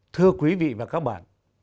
thưa quý vị và các bạn